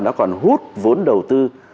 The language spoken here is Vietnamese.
nó còn hút vốn đầu tư